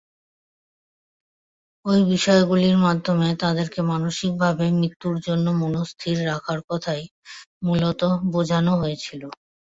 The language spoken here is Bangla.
ঐ বিষয়গুলোর মাধ্যমে তাদেরকে মানসিকভাবে মৃত্যুর জন্য মনস্থির রাখার কথাই মূলতঃ বোঝানো হয়েছিল।